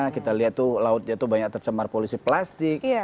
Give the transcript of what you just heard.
kita lihat tuh lautnya itu banyak tercemar polisi plastik